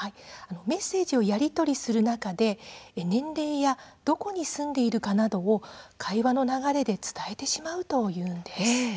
メッセージをやり取りする中で年齢やどこに住んでいるかなど会話の流れで伝えてしまうというんです。